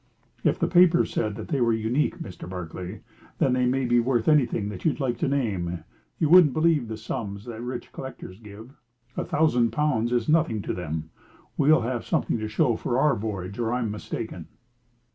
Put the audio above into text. "If the paper said that they were unique, Mr. Barclay, then they may be worth anything that you like to name. You wouldn't believe the sums that the rich collectors give. A thousand pounds is nothing to them. We'll have something to show for our voyage, or I am mistaken."